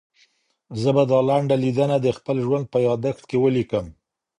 زه به دا لنډه لیدنه د خپل ژوند په یادښت کې ولیکم.